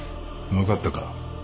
分かったか？